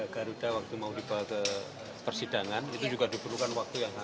garuda waktu mau dibawa ke persidangan itu juga diperlukan waktu yang lama